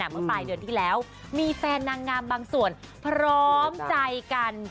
เมื่อปลายเดือนที่แล้วมีแฟนนางงามบางส่วนพร้อมใจกัน